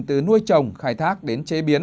từ nuôi trồng khai thác đến chế biến